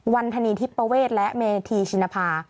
วันพนีที่ประเวทและเมธีชินภา